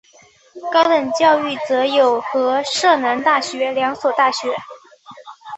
高等教育则有和摄南大学两所大学。